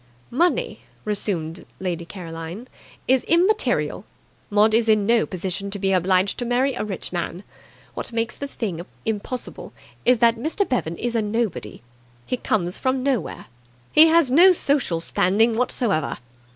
"Money," resumed Lady Caroline, "is immaterial. Maud is in no position to be obliged to marry a rich man. What makes the thing impossible is that Mr. Bevan is nobody. He comes from nowhere. He has no social standing whatsoever."